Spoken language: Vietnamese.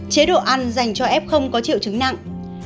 chế độ ăn dành cho f không có triệu chứng nặng